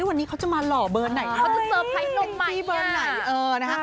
วันนี้เขาจะมาหล่อเบอร์ไหนเขาจะเซอร์ไพรส์นมใหม่ที่เบอร์ไหน